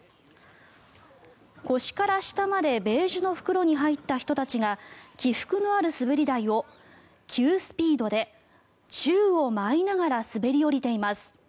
腰から下までベージュの袋に入った人たちが起伏のある滑り台を急スピードで宙を舞いながら滑り降りています。